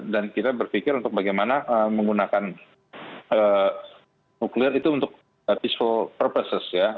dan kita berpikir untuk bagaimana menggunakan nuklir itu untuk peaceful purposes ya